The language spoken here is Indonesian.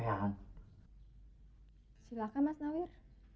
silahkan mas nahir